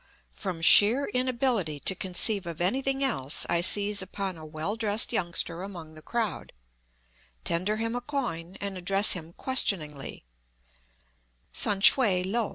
From sheer inability to conceive of anything else I seize upon a well dressed youngster among the crowd, tender him a coin, and address him questioningly "Sam shue lo.